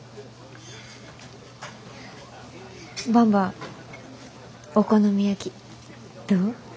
ばんばお好み焼きどう？